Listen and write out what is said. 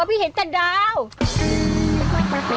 ดาวนี่แหละค่ะหมายถึงเป็นคำตกใจ